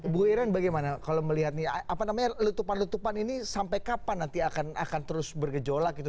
bu iren bagaimana kalau melihat nih apa namanya letupan letupan ini sampai kapan nanti akan terus bergejolak gitu